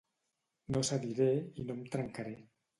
No cediré, i no em trencaré.